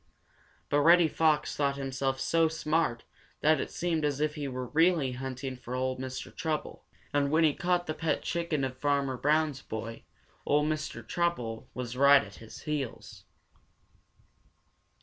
But Reddy Fox thought himself so smart that it seemed as if he really were hunting for Ol' Mr. Trouble. And when he caught the pet chicken of Farmer Brown's boy, Ol' Mr. Trouble was right at his heels.